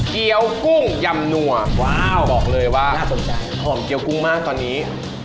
ี้ยวกุ้งยำหนัวบอกเลยว่าน่าสนใจหอมเกี้ยกุ้งมากตอนนี้